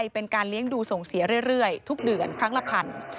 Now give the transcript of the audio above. เป็นการเลี้ยงดูส่งเสียเรื่อยทุกเดือนครั้งละพัน